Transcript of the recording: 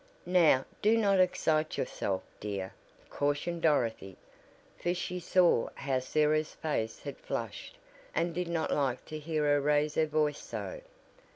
"Now do not excite yourself, dear," cautioned Dorothy, for she saw how Sarah's face had flushed, and did not like to hear her raise her voice so.